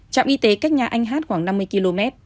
trạm y tế cách nhà anh hát khoảng năm mươi km